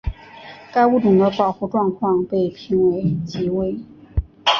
该物种的保护状况被评为极危。